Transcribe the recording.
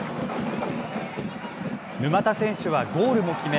沼田選手はゴールも決め